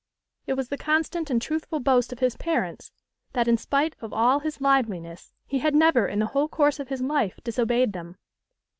It was the constant and truthful boast of his parents, that, in spite of all his liveliness, he had never in the whole course of his life disobeyed them.